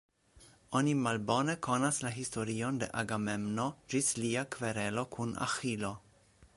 Oni malbone konas la historion de Agamemno ĝis lia kverelo kun Aĥilo.